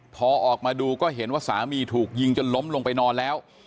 พอออกมาดูก็เห็นว่าสามีถูกยิงจนล้มลงไปนอนแล้ว